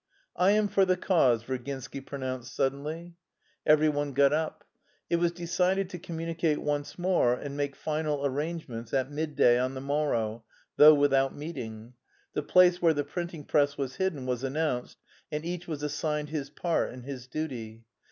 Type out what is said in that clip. "I am for the cause," Virginsky pronounced suddenly. Every one got up. It was decided to communicate once more and make final arrangements at midday on the morrow, though without meeting. The place where the printing press was hidden was announced and each was assigned his part and his duty.